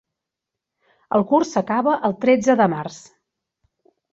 El curs s'acaba el tretze de març.